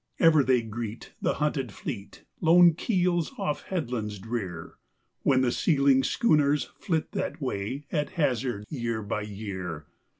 Ever they greet the hunted fleet lone keels off headlands drear When the sealing schooners flit that way at hazard year by year.